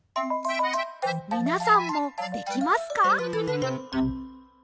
みなさんもできますか？